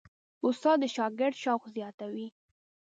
استاد د شاګرد شوق زیاتوي.